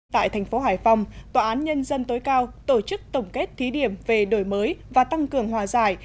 tại thành phố hải phòng tòa án nhân dân tối cao tổ chức tổng kết thí điểm về đổi mới và tăng cường hòa giải